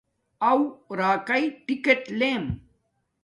او راکای ٹکٹ لیم